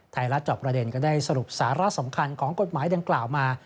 จอบประเด็นก็ได้สรุปสาระสำคัญของกฎหมายดังกล่าวมา